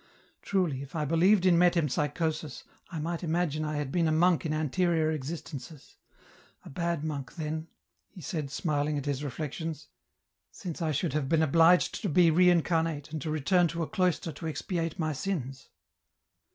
Truly, if I believed in metempsychosis I might imagine I had been a monk in anterior existences ; a bad monk then," he said, smiling at his reflections, " since I should have been obliged to be reincarnate and to return to a cloister to expiate my sins."